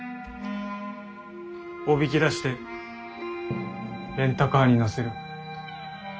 おびき出してレンタカーに乗せる。